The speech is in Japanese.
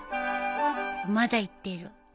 まだ言ってる